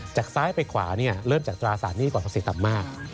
จากซ้ายไปขวาเริ่มจากตราสารหนี้ก่อนภาษีต่ำมาก